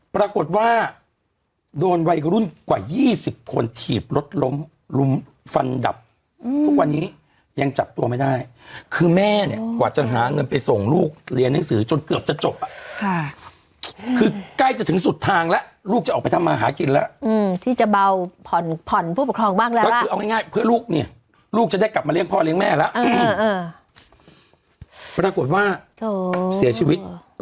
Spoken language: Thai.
ปรากฏว่าโดนวัยรุ่นกว่า๒๐คนถีบรถล้มล้มฟันดับทุกวันนี้ยังจับตัวไม่ได้คือแม่เนี่ยกว่าจะหาเงินไปส่งลูกเรียนหนังสือจนเกือบจะจบอ่ะค่ะคือใกล้จะถึงสุดทางแล้วลูกจะออกไปทำมาหากินแล้วที่จะเบาผ่อนผ่อนผู้ปกครองบ้างแล้วก็คือเอาง่ายเพื่อลูกเนี่ยลูกจะได้กลับมาเลี้ยพ่อเลี้ยงแม่แล้วปรากฏว่าเสียชีวิต